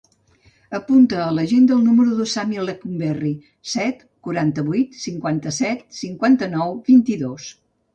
Apunta a l'agenda el número del Sami Lecumberri: set, quaranta-vuit, cinquanta-set, cinquanta-nou, vint-i-dos.